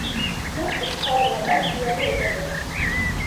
მუხტის მქონე ატომს იონი ეწოდება.